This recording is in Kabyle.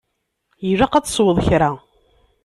Ilaq ad tesweḍ kra.